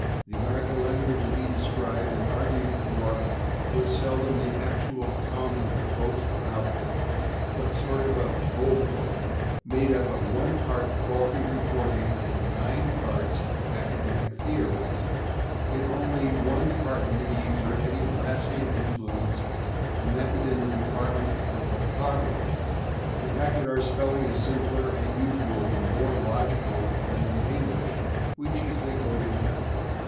The American language that he described and argued for was seldom the actual tongue of the folks about him, but often a sort of Volapük made up of one part faulty reporting and nine parts academic theorizing. In only one department did he exert any lasting influence, and that was in the department of orthography. The fact that our spelling is simpler and usually more logical than the English we chiefly owe to him.